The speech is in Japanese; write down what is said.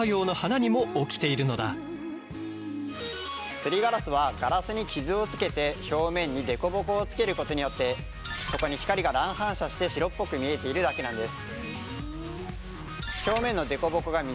すりガラスはガラスに傷をつけて表面に凸凹をつけることによってそこに光が乱反射して白っぽく見えているだけなんです。